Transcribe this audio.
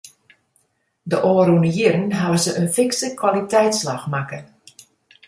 De ôfrûne jierren hawwe se in fikse kwaliteitsslach makke.